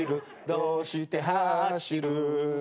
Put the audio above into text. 「どうしてはしる」